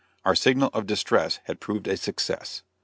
Our signal of distress had proved a success.